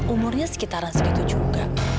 umurnya sekitaran segitu juga